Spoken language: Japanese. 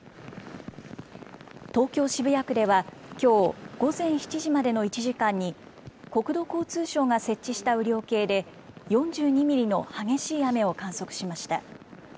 東京・渋谷区では、きょう午前７時までの１時間に、国土交通省が設置した雨量計で４２ミリの激しい雨を観測しました。